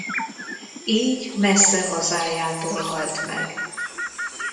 Így messze hazájától halt meg.